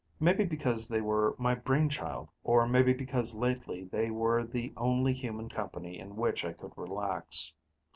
Maybe because they were my brain child, or maybe because lately they were the only human company in which I could relax.